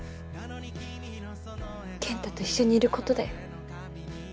健太と一緒にいることだよ。